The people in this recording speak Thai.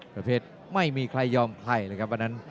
ประเภทไม่มีใครยอมไผ่เลยครับวันนั้น